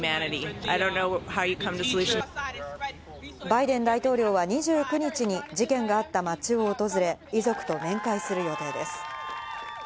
バイデン大統領は２９日に事件があった町を訪れ、遺族と面会する予定です。